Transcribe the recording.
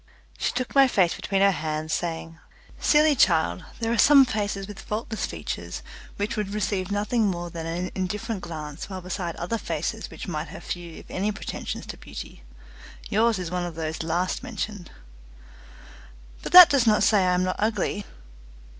She took my face between her hands, saying: "Silly child, there are some faces with faultless features, which would receive nothing more than an indifferent glance while beside other faces which might have few if any pretensions to beauty. Yours is one of those last mentioned." "But that does not say I am not ugly."